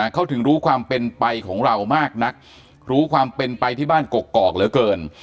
เขาถึงรู้ความเป็นไปของเรามากนักรู้ความเป็นไปที่บ้านกกอกเหลือเกิน